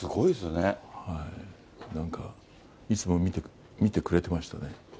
なんか、いつも見てくれてましたね。